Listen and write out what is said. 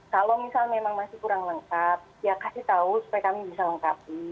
kalau misal memang masih kurang lengkap ya kasih tahu supaya kami bisa lengkapi